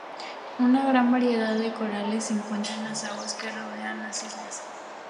Una gran variedad de corales se encuentran en las aguas que rodean las islas.